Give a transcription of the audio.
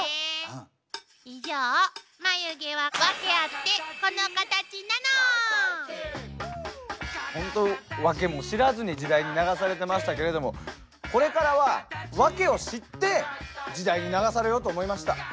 以上眉毛は本当ワケも知らずに時代に流されてましたけれどもこれからはワケを知って時代に流されようと思いました。